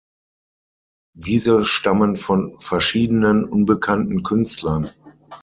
Diese stammen von verschiedenen unbekannten Künstlern.